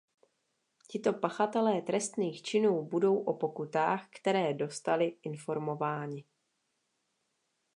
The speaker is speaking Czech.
Tito pachatelé trestných činů budou o pokutách, které dostali, informováni.